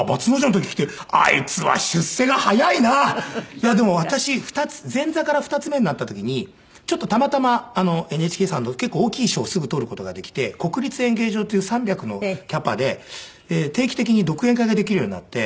いやでも私前座から二ツ目になった時にちょっとたまたまＮＨＫさんの結構大きい賞をすぐ取る事ができて国立演芸場っていう３００のキャパで定期的に独演会ができるようになって。